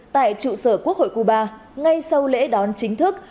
tại trụ sở quốc hội cuba ngay sau lễ đón chính thức